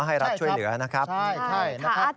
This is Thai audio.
ให้รัฐช่วยเหลือนะครับใช่นะครับ